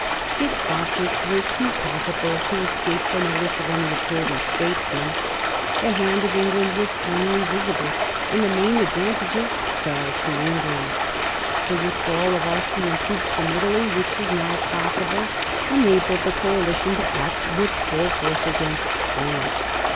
Its objects were too palpable to escape the notice of any observant statesman. The hand of England was plainly visible, and the main advantages fell to England. The withdrawal of Austrian troops from Italy which was now possible enabled the coalition to act with full force against France.